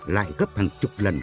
lại gấp hàng chục lần